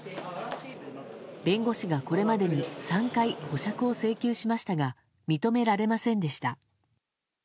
弁護士が、これまでに３回保釈を請求しましたが認められませんでした。